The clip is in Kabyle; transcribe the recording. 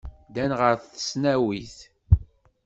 Ddan ɣer tesnawit.